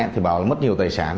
thì bảo là mất nhiều tài sản